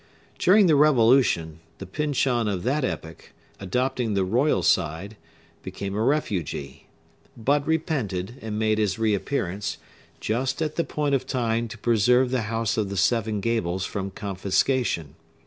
During the Revolution, the Pyncheon of that epoch, adopting the royal side, became a refugee; but repented, and made his reappearance, just at the point of time to preserve the House of the Seven Gables from confiscation.